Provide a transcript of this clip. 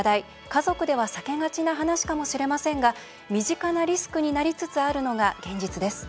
家族では避けがちな話かもしれませんが身近なリスクになりつつあるのも現実です。